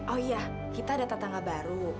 oh iya kita ada tetangga baru